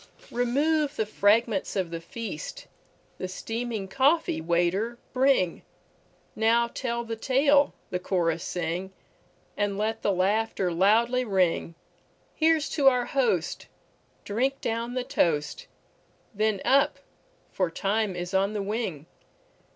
Remove the fragments of the feast! The steaming coffee, waiter, bringNow tell the tale, the chorus sing, And let the laughter loudly ring; Here 's to our host, drink down the toast, Then up! for time is on the wing.